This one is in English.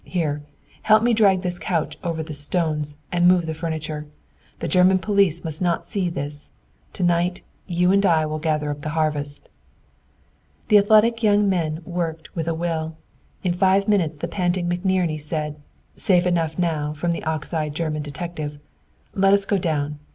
Here! Help me drag this couch over the stones, and move the furniture. The German police must not see this. To night you and I will gather up the harvest!" The athletic young men worked with a will. In five minutes the panting McNerney said, "Safe enough now from the ox eyed German detective! Let us go down.